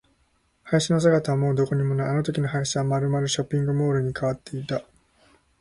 林の姿はもうどこにもない。あのときの林はまるまるショッピングモールに変わっていた。